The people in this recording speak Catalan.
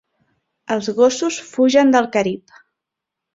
Els gossos fugen del Carib.